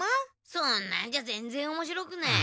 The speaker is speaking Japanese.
そんなんじゃ全然おもしろくない。